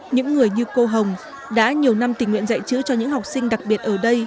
những người như cô hồng đã nhiều năm tình nguyện dạy chữ cho những học sinh đặc biệt